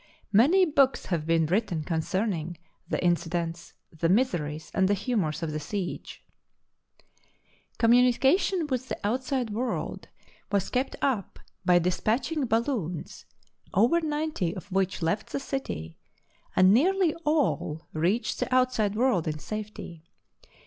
Many books have been written concerning the inci dents, the miseries and the humours of the siege. [281 ] THE BOOK OF FAMOUS SIEGES Communication with the outside world was kept up by despatching balloons, over ninety of which left the city, and nearly all reached the outside world in safety.